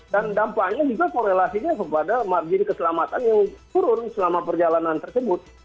dan dampaknya juga korelasinya kepada margin keselamatan yang turun selama perjalanan tersebut